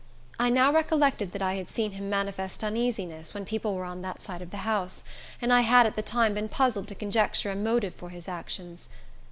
I now recollected that I had seen him manifest uneasiness, when people were on that side of the house, and I had at the time been puzzled to conjecture a motive for his actions.